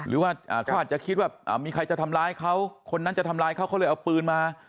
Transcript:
หรือว่าเขาอาจจะคิดว่ามีใครจะทำร้ายเขาคนนั้นจะทำร้ายเขาเขาเลยเอาปืนมา